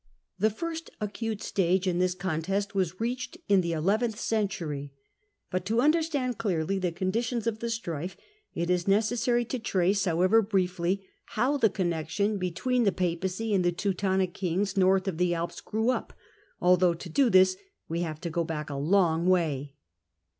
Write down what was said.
The first acute stage in this contest was reached in the eleventh century. But to understand clearly the conditions of the strife, it is necessary to trace, however briefly, how the connexion between the Papacy and Teutonic kings north of the Alps grew up ; although to do this we have to go back a long way.